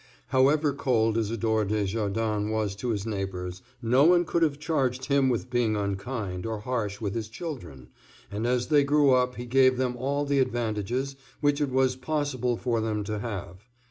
However cold Isidore Desjardin was to his neighbors, no one could have charged him with being unkind or harsh with his children, and as they grew up he gave them all the advantages which it was possible for them to have.